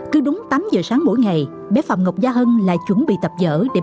cứ đúng tám giờ sáng mỗi ngày bé phạm ngọc gia hân lại chuẩn bị tập trung